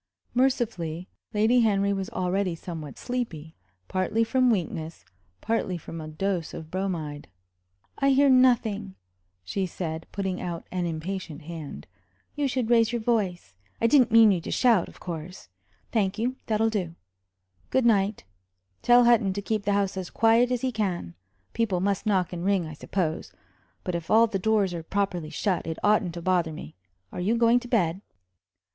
Mercifully, Lady Henry was already somewhat sleepy, partly from weakness, partly from a dose of bromide. "I hear nothing," she said, putting out an impatient hand. "You should raise your voice. I didn't mean you to shout, of course. Thank you that'll do. Good night. Tell Hutton to keep the house as quiet as he can. People must knock and ring, I suppose; but if all the doors are properly shut it oughtn't to bother me. Are you going to bed?"